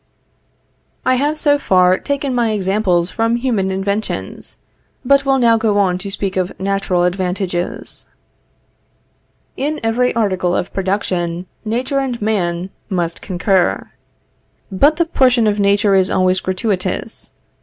] I have so far taken my examples from human inventions, but will now go on to speak of natural advantages. In every article of production, nature and man must concur. But the portion of nature is always gratuitous.